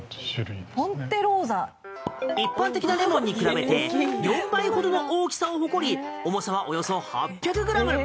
一般的なレモンに比べて４倍ほどの大きさを誇り重さはおよそ８００ｇ。